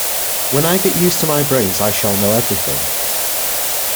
When I get used to my brains I shall know everything.